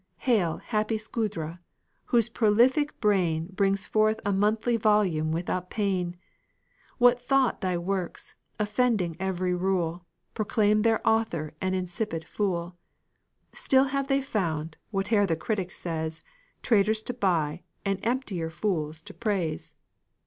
Hail, happy Scudére! whose prolific brain Brings forth a monthly volume without pain; What though thy works, offending every rule, Proclaim their author an insipid fool; Still have they found, whate'er the critic says, Traders to buy and emptier fools to praise.